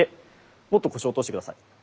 もっと腰を落として下さい。